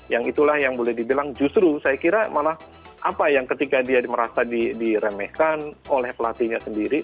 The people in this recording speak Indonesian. yang itulah yang boleh dibilang justru saya kira malah apa yang ketika dia merasa diremehkan oleh pelatihnya sendiri